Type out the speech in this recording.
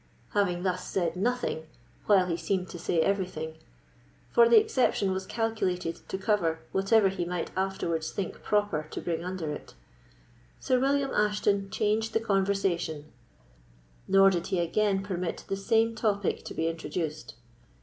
Having thus said nothing, while he seemed to say everything, for the exception was calculated to cover whatever he might afterwards think proper to bring under it, Sir William Ashton changed the conversation, nor did he again permit the same topic to be introduced.